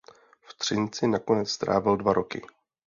V Třinci nakonec strávil dva roky.